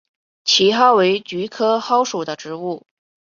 奇蒿为菊科蒿属的植物。